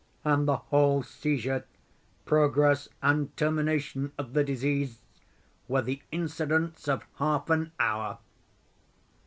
And the whole seizure, progress and termination of the disease, were the incidents of half an hour.